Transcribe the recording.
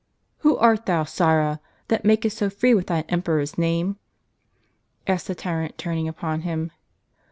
"Who art thou, sirrah! that niakest so free with thine emperor's name?" asked the tyrant, turning upon him.